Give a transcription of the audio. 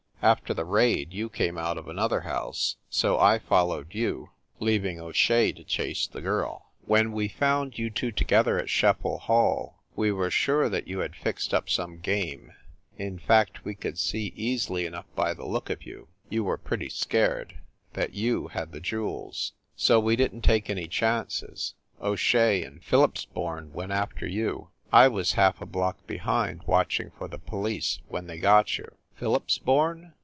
After the raid you came out of another house, so I fol lowed you, leaving O Shea to chase the girl. 270 FIND THE WOMAN When we found you two together at Scheffel Hall we were sure that you had fixed up some game; in fact, we could see easily enough by the look of you you were pretty scared that you had the jewels. So we didn t take any chances; O Shea and Phillips born went after you. I was half a block behind, watching for the police, when they got you." "Phillipsborn ?"